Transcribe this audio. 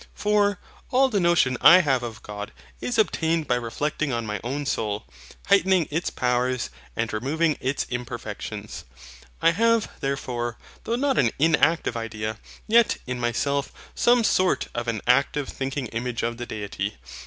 For, all the notion I have of God is obtained by reflecting on my own soul, heightening its powers, and removing its imperfections. I have, therefore, though not an inactive idea, yet in MYSELF some sort of an active thinking image of the Deity.